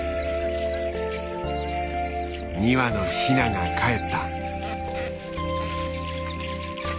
２羽のヒナがかえった。